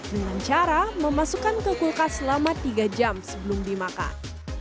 dengan cara memasukkan ke kulkas selama tiga jam sebelum dimakan